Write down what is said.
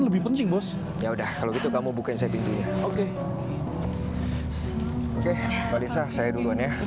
lebih penting bos ya udah kalau gitu kamu buka saya bintunya oke oke pak desa saya duluan ya